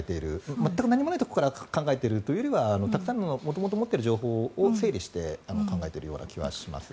全く何もないところから考えているというよりはたくさんの元々持っている情報を整理して考えているような気はします。